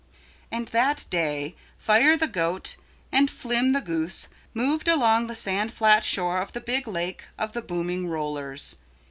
And that day Fire the Goat and Flim the Goose moved along the sand flat shore of the Big Lake of the Booming Rollers.